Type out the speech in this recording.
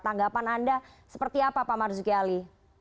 tanggapan anda seperti apa pak marzuki ali